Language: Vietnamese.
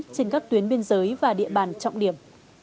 trên các tuyến biên giới và địa bàn trọng điểm